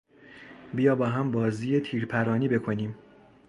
بیا باهم بازی تیرپرانی بکنیم.